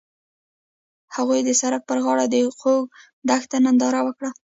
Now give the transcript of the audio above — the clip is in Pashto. هغوی د سړک پر غاړه د خوږ دښته ننداره وکړه.